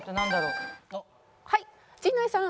はい陣内さん。